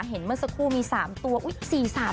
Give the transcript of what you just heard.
เห็นเมื่อสักครู่มี๓ตัวอุ๊ย๔๓มันเป็นเงา